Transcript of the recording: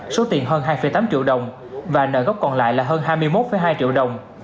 số tiền hơn hai tám triệu đồng và nợ gốc còn lại là hơn hai mươi một hai triệu đồng